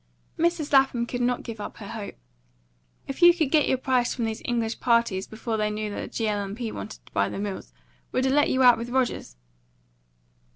Mrs. Lapham could not give up her hope. "If you could get your price from those English parties before they knew that the G. L. & P. wanted to buy the mills, would it let you out with Rogers?"